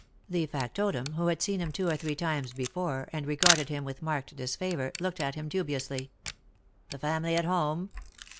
The factotum, who had seen him two or three times be fore, and regarded him with marked disfavour, looked at him dubiously. "Ihe family at home?"